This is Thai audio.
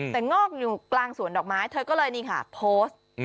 แต่งอกอยู่กลางสวนดอกไม้เธอก็เลยนี่ค่ะโพสต์